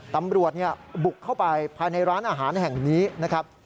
ตำรวจบุกเข้าไปภายในร้านอาหารแห่งนี้นะครับ